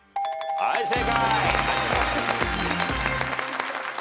はい正解。